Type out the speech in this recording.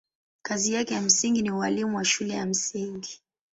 Kazi yake ya msingi ni ualimu wa shule ya msingi.